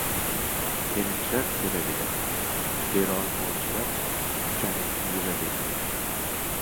Terimchilar tera beradi —terolmovchilar kuchanib yuraberadi.